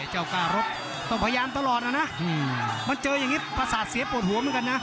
กล้ารกต้องพยายามตลอดนะมันเจออย่างนี้ประสาทเสียปวดหัวเหมือนกันนะ